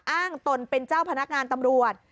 ตนเป็นเจ้าพนักงานตำรวจ